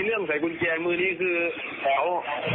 เนื่องใส่กุญแจมือนี้คือแถว